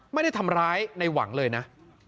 ไม่ได้ทำร้ายในหวังเลยนะ